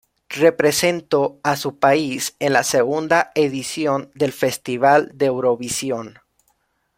Representó a su país en la segunda edición del Festival de Eurovisión.